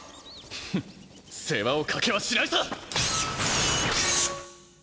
ふんっ世話をかけはしないさ！